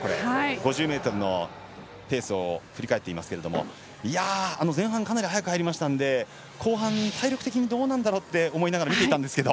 ５０ｍのペースを振り返っていますけれども前半、かなり早く入りましたので後半、体力的にどうなんだろうと思いながら見ていたんですけど。